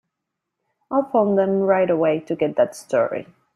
I'll phone them right away to get that story.